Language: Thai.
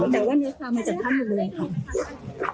แต่ว่าเนื้อคลามันจากท่านอยู่เลยค่ะ